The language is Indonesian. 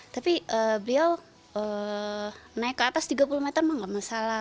tapi beliau naik ke atas tiga puluh meter mah gak masalah